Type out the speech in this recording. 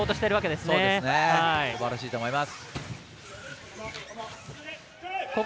すばらしいと思います。